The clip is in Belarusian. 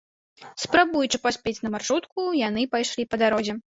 Спрабуючы паспець на маршрутку, яны пайшлі па дарозе.